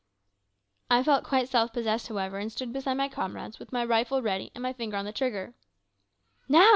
I felt quite self possessed, however, and stood beside my comrades with my rifle ready and my finger on the trigger. "Now!"